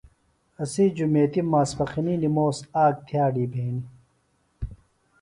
اسی جُمیتیۡ ماسپخنی نِموس آک تھئاڈی بھینیۡ۔